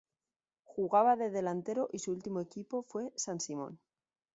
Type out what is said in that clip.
Jugaba de delantero y su último equipo fue San Simón.